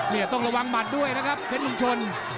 นี่ต้องระวังหมัดด้วยนะครับเพชรลุงชน